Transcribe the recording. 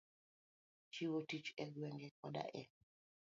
Chiwo tich e gwenge koda e